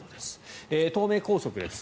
東名高速です。